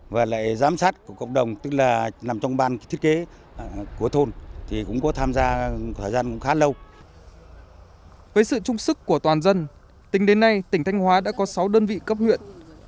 với sự trung sức của toàn dân tính đến nay tỉnh thanh hóa đã có sáu đơn vị cấp huyện